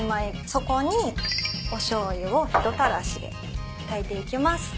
そこにおしょうゆを一垂らしで炊いていきます。